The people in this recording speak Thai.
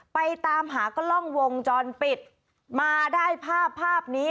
ไปตามหากล้องวงจรปิดมาได้ภาพภาพนี้